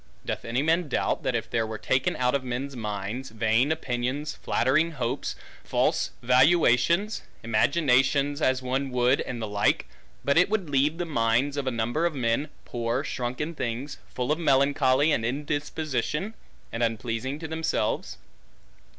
Doth any man doubt, that if there were taken out of men's minds, vain opinions, flattering hopes, false valuations, imaginations as one would, and the like, but it would leave the minds, of a number of men, poor shrunken things, full of melancholy and indisposition, and unpleasing to themselves?